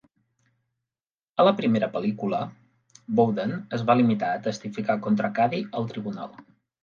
A la primera pel·lícula, Bowden es va limitar a testificar contra Cady al tribunal.